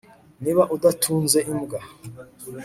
niba udatunze imbwa